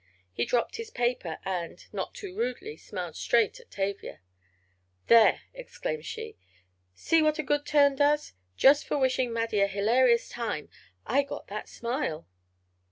He dropped his paper, and, not too rudely, smiled straight at Tavia. "There!" exclaimed she. "See what a good turn does. Just for wishing Maddie a hilarious time I got that smile."